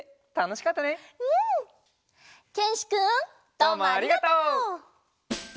どうもありがとう！